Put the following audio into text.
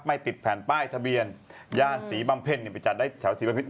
ไม่ติดแผนป้ายทะเบียนย่านศรีบำเพ่นไปจัดได้แถวศรีบำเพ่น